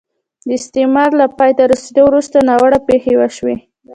د استعمار له پای ته رسېدو وروسته ناوړه پېښې وشوې.